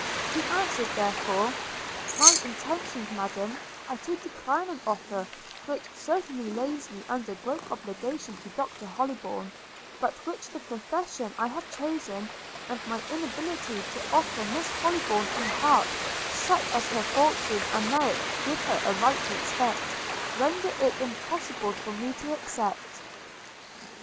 He answered therefore – 'My intentions, Madam, are to decline an offer which certainly lays me under great obligation to Dr Hollybourn, but which the profession I have chosen, and my inability to offer Miss Hollybourn an heart such as her fortune and merit give her a right to expect, render it impossible for me to accept.'